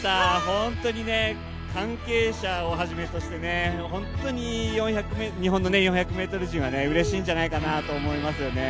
本当に関係者をはじめとして本当に日本の４００ｍ陣はうれしいんじゃないかと思いますね。